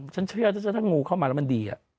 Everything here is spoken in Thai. ฉันเชื่อถ้างูเข้ามาแล้วมันดี